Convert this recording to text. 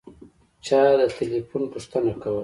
چا د تیلیفون پوښتنه کوله.